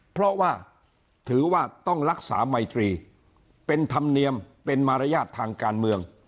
เพราะว่าถือว่าต้องรักษาไมตรีเป็นธรรมเนียมเป็นมารยาททางการเมือง